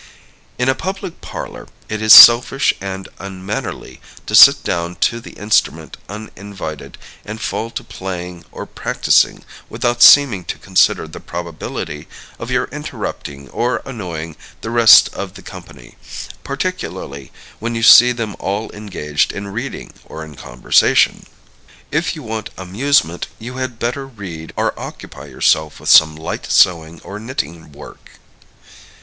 In a public parlor, it is selfish and unmannerly to sit down to the instrument uninvited and fall to playing or practising without seeming to consider the probability of your interrupting or annoying the rest of the company, particularly when you see them all engaged in reading or in conversation. If you want amusement, you had better read or occupy yourself with some light sewing or knitting work.